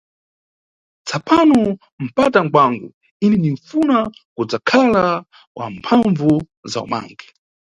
Tsapano mpata ngwangu, ine ninʼfuna kudzakhala wa mphambvu za umangi.